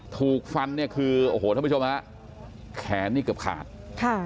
ถูกฟันเนี่ยคือโอ้โหท่านผู้ชมฮะแขนนี่เกือบขาดค่ะ